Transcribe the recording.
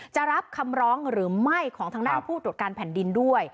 จะรับคำร้องหรือไม่ของทางด้านผู้ตรวจการแผ่นดินด้วย